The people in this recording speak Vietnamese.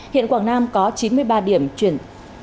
hiện quảng nam có chín mươi ba điểm chuyển